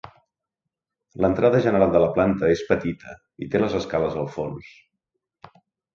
L'entrada general de la planta és petita i té les escales al fons.